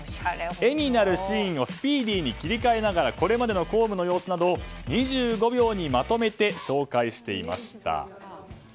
画になるシーンをスピーディーに切り替えながらこれまでの公務の様子などを２５秒にまとめて紹介していました。